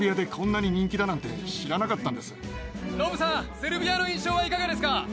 セルビアの印象はいかがですか？